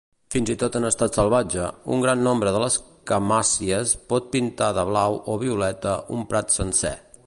Fins i tot en estat salvatge, un gran nombre de camàssies pot pintar de blau o violeta un prat sencer.